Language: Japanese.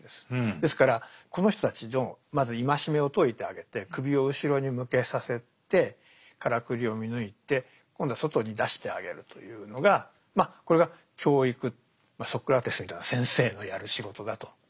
ですからこの人たちのまず縛めを解いてあげて首を後ろに向けさせてカラクリを見抜いて今度は外に出してあげるというのがこれが教育ソクラテスみたいな先生のやる仕事だと。